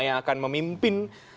yang akan memimpin